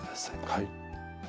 はい。